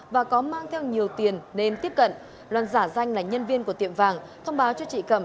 và có mang theo nhiều tiền nên tiếp cận loan giả danh là nhân viên của tiệm vàng thông báo cho chị cầm